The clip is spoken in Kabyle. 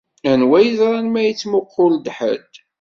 Anwa yeẓran ma yettmuqul-d ḥedd.